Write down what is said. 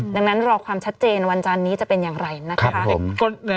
ดังนั้นรอความชัดเจนวันจานนี้จะเป็นอย่างไรนะคะ